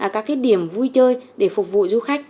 các điểm vui chơi để phục vụ du khách